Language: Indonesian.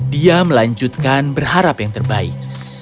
dia melanjutkan berharap yang terbaik